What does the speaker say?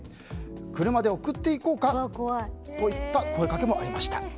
車で送っていこうか？といった声掛けもありました。